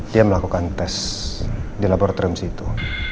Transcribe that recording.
dia melakukan tes di laboratorium situ